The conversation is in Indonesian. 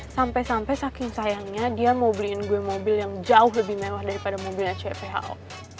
sampai sampai saking sayangnya dia mau beliin gue mobil yang jauh lebih mewah daripada mobil aceh who